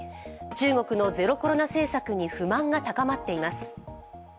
中国のゼロコロナ政策に不満が高まっています。